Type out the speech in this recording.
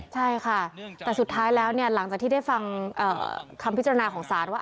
ใช่ค่ะแต่สุดท้ายแล้วเนี่ยหลังจากที่ได้ฟังคำพิจารณาของศาลว่า